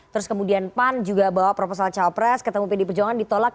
terus kemudian pan juga bawa proposal cawapres ketemu pd perjuangan ditolak